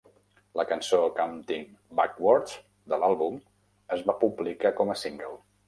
La cançó "Counting Backwards" de l'àlbum es va publicar com a single.